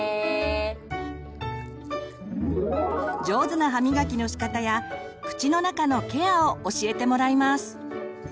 上手な歯みがきのしかたや口の中のケアを教えてもらいます。